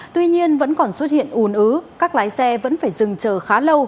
tuy nhiên vẫn còn xuất hiện ùn ứ các lái xe vẫn phải dừng chờ khá lâu